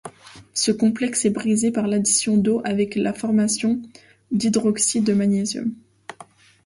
Ce complexe est brisé par l'addition d'eau avec formation d'hydroxyde de magnésium.